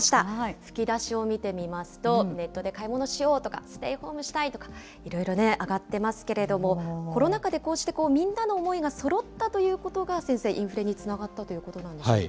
吹き出しを見てみますと、ネットで買い物しようとか、ステイホームしたいとか、いろいろあがってますけれども、コロナ禍でこうしてみんなの思いがそろったということが、先生、インフレにつながったということなんでしょうか。